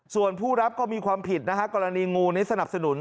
ส่วนผู้รับก็มีความผิดนะฮะกรณีงูนี้สนับสนุน